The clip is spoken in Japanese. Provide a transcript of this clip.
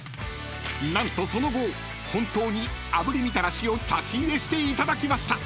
［何とその後本当に炙りみたらしを差し入れしていただきました］